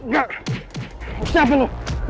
gak tau apa apa